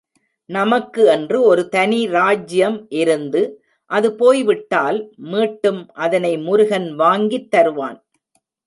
நமக்கு என்று ஒரு தனி ராஜ்யம் இருந்து, அது போய்விட்டால் மீட்டும் அதனை முருகன் வாங்கித் தருவான்.